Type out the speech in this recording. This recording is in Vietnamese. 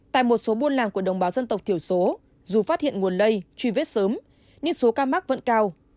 tại một số buôn làng của đồng bào dân tộc thiểu số dù phát hiện nguồn lây truy vết sớm nhưng số ca mắc vẫn cao